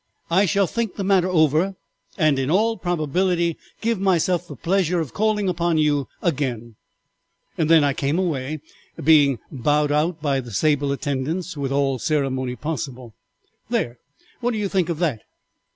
'I shall think the matter over and in all probability give myself the pleasure of calling upon you again.' "Then I came away, being bowed out by the sable attendants with all ceremony possible. There! What do you think of that?"